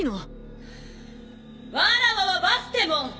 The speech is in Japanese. わらわはバステモン！